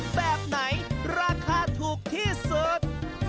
แบบไหนราคาถูกที่สุด